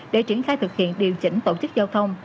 để triển khai thực hiện điều chỉnh tổ chức giao thông